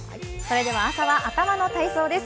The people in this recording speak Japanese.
朝は頭の体操です。